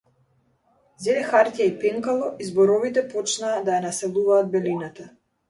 Зеде хартија и пенкало и зборовите почнаа да ја населуваат белината.